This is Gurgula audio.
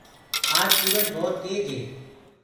آج سُورج ڀوت تيج هي۔